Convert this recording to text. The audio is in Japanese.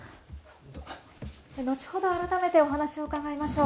のちほど改めてお話を伺いましょう。